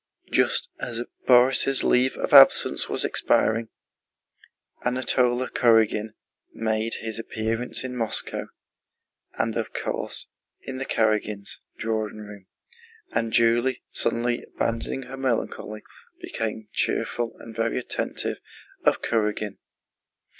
Just as Borís' leave of absence was expiring, Anatole Kurágin made his appearance in Moscow, and of course in the Karágins' drawing room, and Julie, suddenly abandoning her melancholy, became cheerful and very attentive to Kurágin.